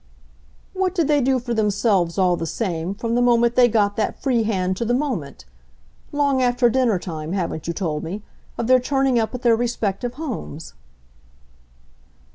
"What did they do for themselves, all the same, from the moment they got that free hand to the moment (long after dinner time, haven't you told me?) of their turning up at their respective homes?"